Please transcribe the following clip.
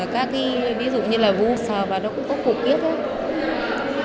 các cái ví dụ như là vù sờ và nó cũng có cục kiếp